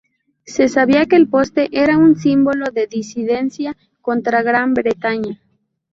Se sabia que el poste era un símbolo de disidencia contra Gran Bretaña.